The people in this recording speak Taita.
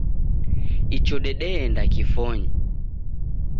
Icho dedeenda kifonyi